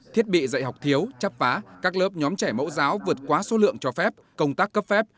thiết bị dạy học thiếu chắp phá các lớp nhóm trẻ mẫu giáo vượt quá số lượng cho phép công tác cấp phép